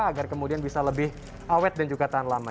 agar kemudian bisa lebih awet dan juga tahan lama